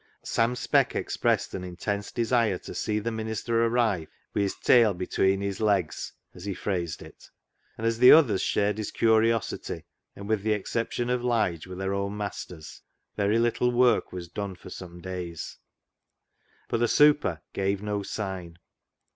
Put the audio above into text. Sam Speck expressed an intense desire to see the minister arrive " wi' his tail between his legs," as he phrased it ; and, as the others shared his curiosity, and, with the exception of I.ige, were their own masters, very little work was done for some days. But the " super " gave no sign.